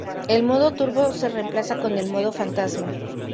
El modo turbo se reemplaza con el modo fantasma.